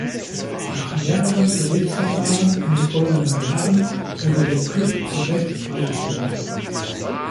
Nach mehreren Gerichtsverfahren in den folgenden Jahren wurde der Klub zurecht freigesprochen.